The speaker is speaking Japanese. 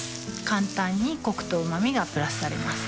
簡単にコクとうま味がプラスされます